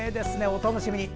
お楽しみに。